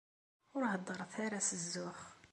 Ur heddret ara s zzux!